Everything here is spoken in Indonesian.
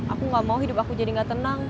aku gak mau hidup aku jadi gak tenang